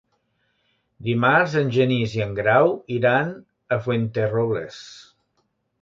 Dimarts en Genís i en Grau iran a Fuenterrobles.